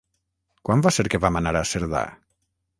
Quan va ser que vam anar a Cerdà?